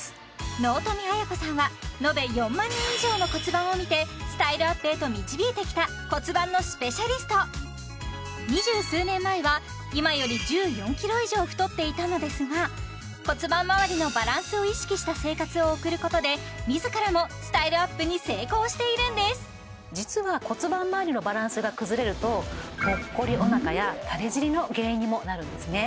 納富亜矢子さんは延べ４万人以上の骨盤を見てスタイルアップへと導いてきた骨盤のスペシャリスト２０数年前は今より１４ｋｇ以上太っていたのですが骨盤まわりのバランスを意識した生活を送ることで自らもスタイルアップに成功しているんです実は骨盤まわりのバランスが崩れるとぽっこりおなかやタレ尻の原因にもなるんですね